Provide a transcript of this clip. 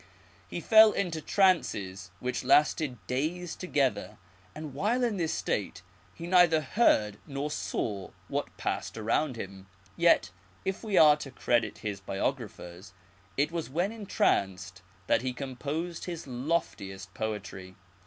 He fell into trances which lasted days together, and while in this state he neither heard nor saw what pagsed around him. Yet, if we are to credit his biographers, it was when entranced that he composed his loftiest poetry.